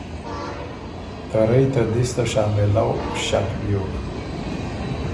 ته رئ ته دِس ته شامېلؤ ݭک بیوک